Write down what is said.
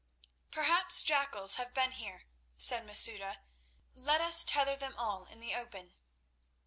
"Perhaps jackals have been here," said Masouda. "Let us tether them all in the open."